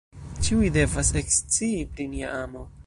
Ĉiuj devas ekscii pri nia amo.